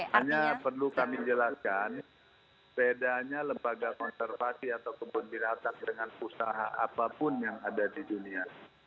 hanya perlu kami jelaskan bedanya lembaga konservasi atau kebun biratan dengan usaha apapun yang ada di dunia